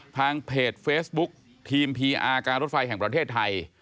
ทางเพจเฟซบุ๊คทีมพีอาร์การรถไฟแห่งประเทศไทย